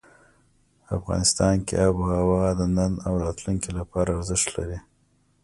افغانستان کې آب وهوا د نن او راتلونکي لپاره ارزښت لري.